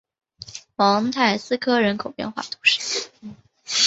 蒙泰斯科人口变化图示